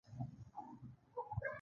احمد له کابله بېرته راغبرګ شوی دی.